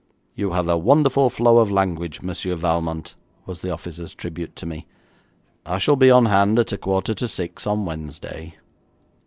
'You have a wonderful flow of language, Monsieur Valmont,' was the officer's tribute to me. 'I shall be on hand at a quarter to six on Wednesday.'